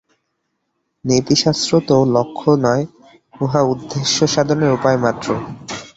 নীতিশাস্ত্র তো লক্ষ্য নয়, উহা উদ্দেশ্য-সাধনের উপায় মাত্র।